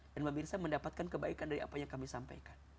dan bami irsa mendapatkan kebaikan dari apa yang kami sampaikan